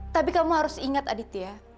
tapi kamu harus ingat aditya